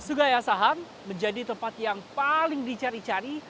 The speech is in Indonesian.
sungai asahan menjadi tempat yang paling dicari cari